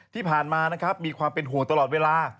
ที่ผ่านเป็นห่วงตลอดเวลา